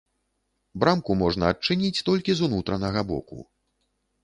Брамку можна адчыніць толькі з унутранага боку.